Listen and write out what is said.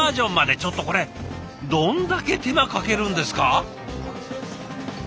ちょっとこれどんだけ手間かけるんですか？